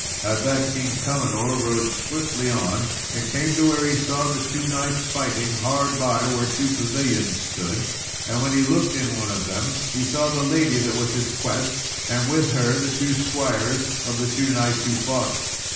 At that King Pellinore rode swiftly on, and came to where he saw the two knights fighting, hard by where two pavilions stood. And when he looked in one of them he saw the lady that was his quest, and with her the two squires of the two knights who fought.